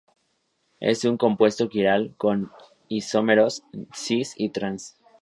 Es un compuesto quiral con isómeros "cis" y "trans".